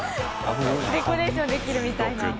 デコレーションできるみたいな。